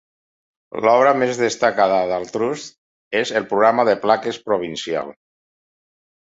L'obra més destacada del Trust és el programa de plaques provincial.